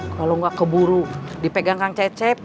kalau nggak keburu dipegang kang cecep